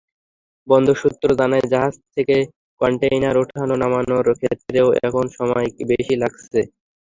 বন্দর সূত্র জানায়, জাহাজ থেকে কনটেইনার ওঠানো-নামানোর ক্ষেত্রেও এখন সময় বেশি লাগছে।